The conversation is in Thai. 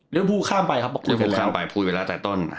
เรื่องผู้ข้ามไปครับพูดไปแล้ว